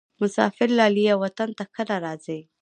مسافر لالیه وطن ته کله راځې؟